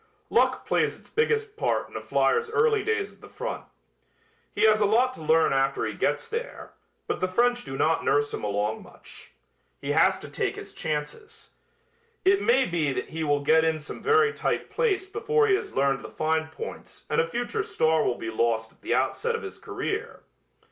Luck plays its biggest part in a flier's early days at the front. He has a lot to learn after he gets there, but the French do not nurse him along much. He has to take his chances. It may be that he will get in some very tight place before he has learned the fine points and a future star will be lost at the outset of his career.